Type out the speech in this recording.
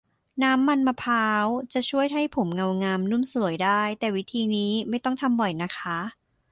น้ำมันมะพร้าวจะช่วยให้ผมเงางามนุ่มสลวยได้ แต่วิธีนี้ไม่ต้องทำบ่อยนะคะ